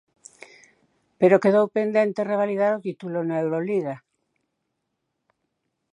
Pero quedou pendente revalidar o título na Euroliga.